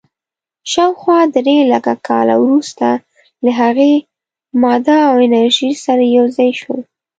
شاوخوا درېلکه کاله وروسته له هغې، ماده او انرژي سره یو ځای شول.